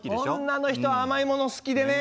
女の人は甘いもの好きでね